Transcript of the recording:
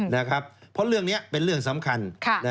เพราะเรื่องนี้เป็นเรื่องสำคัญ